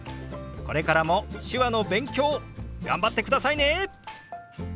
これからも手話の勉強頑張ってくださいね！